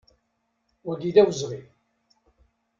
Wagi d awezɣi!